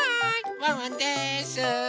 ワンワンです！